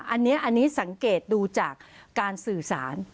อันนี้สังเกตดูจากการสื่อสาร